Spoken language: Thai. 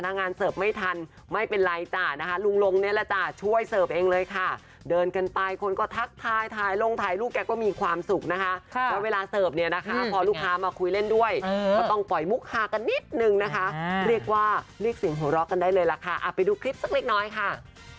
นะคะเวลาเสิร์ฟเนี่ยนะคะพอลูกค้ามาคุยเล่นด้วยต้องปล่อยมุขฮากันนิดนึงนะคะเรียกว่าลีกสิ่งหัวรอกกันได้เลยล่ะค่ะอ่าไปดูคลิปสักนิดน้อยค่ะ